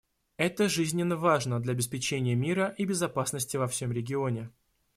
Это жизненно важно для обеспечения мира и безопасности во всем регионе.